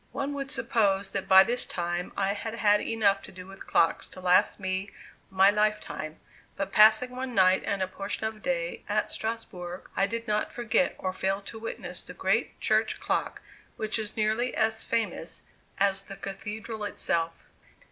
One would suppose that by this time I had had enough to do with clocks to last me my lifetime, but passing one night and a portion of a day at Strasbourg, I did not forget or fail to witness the great church clock which is nearly as famous as the cathedral itself.